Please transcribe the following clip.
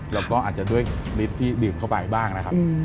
แล้วก็อาจจะด้วยลิตรที่ดื่มเข้าไปบ้างนะครับ